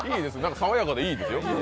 爽やかでいいですよ。